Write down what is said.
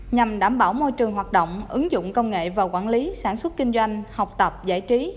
nhằm đảm bảo môi trường hoạt động ứng dụng công nghệ và quản lý sản xuất kinh doanh học tập giải trí